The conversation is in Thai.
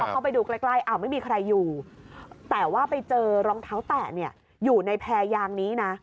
เข้าไปดูใกล้ไม่มีใครอยู่แต่ว่าไปเจอรองเท้าแตะอยู่ในแพรยางนี้นะ